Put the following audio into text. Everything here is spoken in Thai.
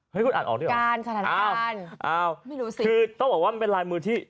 คือต้องบอกว่ามันเป็นรายมือที่